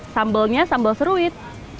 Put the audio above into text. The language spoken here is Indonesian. sambalnya sambal seruit